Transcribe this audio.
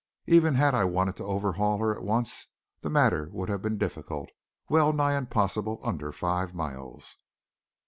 Even had I wanted to overhaul her at once the matter would have been difficult, well nigh impossible under five miles.